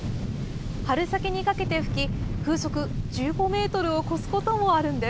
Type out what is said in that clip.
春先にかけて吹き風速１５メートルを超すこともあるんです。